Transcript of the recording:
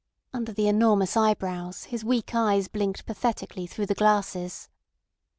Under the enormous eyebrows his weak eyes blinked pathetically through the glasses.